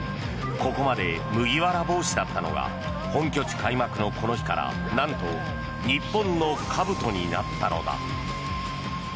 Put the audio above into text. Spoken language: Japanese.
ここまで麦わら帽子だったのが本拠地開幕のこの日から、なんと日本のかぶとになったのだ。